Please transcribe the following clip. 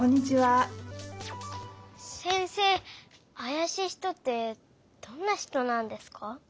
せんせいあやしい人ってどんな人なんですか？